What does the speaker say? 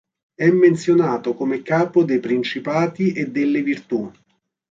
È menzionato come capo dei principati e delle virtù.